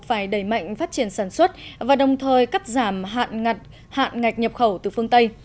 phải đẩy mạnh phát triển sản xuất và đồng thời cắt giảm hạn ngạch nhập khẩu từ phương tây